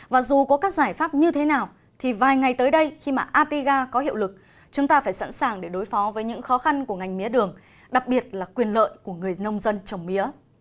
và dù có các giải pháp như thế nào thì vài ngày tới đây khi mà atiga có hiệu lực chúng ta phải sẵn sàng để đối phó với những khó khăn của ngành mía đường đặc biệt là quyền lợi của người nông dân trồng mía